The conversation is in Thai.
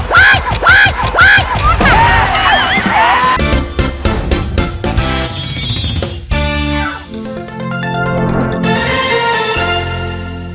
ว้าย